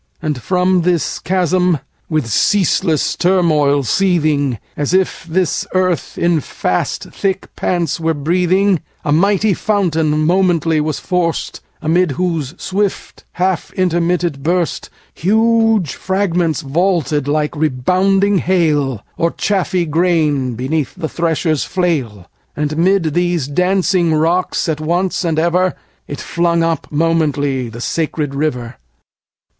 And from this chasm, with ceaseless turmoil seethingAs if this earth in fast thick pants were breathing,A mighty fountain momently was forced; Amid whose swift half intermitted burstHuge fragments vaulted like rebounding hail, Or chaffy grain beneath the thresher's flail:And 'mid these dancing rocks at once and everIt flung up momently the sacred river.